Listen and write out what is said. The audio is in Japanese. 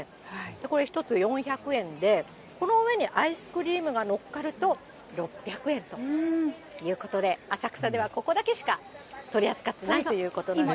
これ１つ４００円で、この上にアイスクリームがのっかると、６００円ということで、浅草ではここだけしか取り扱っていないということなんですね。